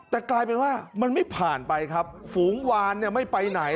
แต่กลายเป็นว่ามันไม่ผ่านไปครับฝูงวานเนี่ยไม่ไปไหน